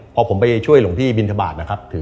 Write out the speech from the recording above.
พอผมไปช่วยหลวงพี่บินทบาทนะครับ